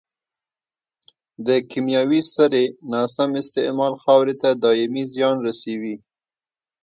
د کيمیاوي سرې ناسم استعمال خاورې ته دائمي زیان رسوي.